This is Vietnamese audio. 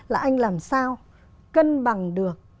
là anh làm sao cân bằng được